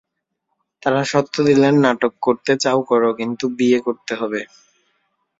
তাঁরা শর্ত দিলেন, নাটক করতে চাও করো, কিন্তু বিয়ে করতে হবে।